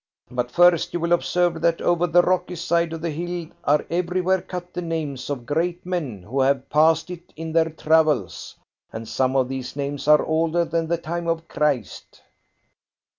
But first you will observe that over the rocky side of the hill are everywhere cut the names of great men who have passed it in their travels, and some of these names are older than the time of Christ."